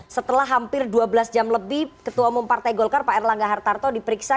setelah hampir dua belas jam lebih ketua umum partai golkar pak erlangga hartarto diperiksa